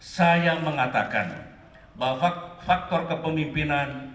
saya mengatakan bahwa faktor kepemimpinan